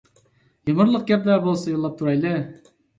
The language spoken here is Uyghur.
يۇمۇرلۇق گەپلەر بولسا يوللاپ تۇرايلى.